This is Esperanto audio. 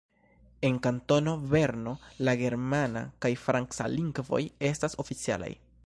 En Kantono Berno la germana kaj franca lingvoj estas oficialaj.